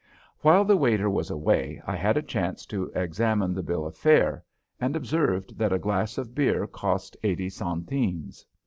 While the waiter was away I had a chance to examine the bill of fare, and I observed that a glass of beer cost eighty centimes.